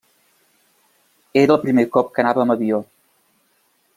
Era el primer cop que anava amb avió.